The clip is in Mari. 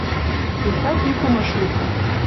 Иктат йӱкым ыш лук.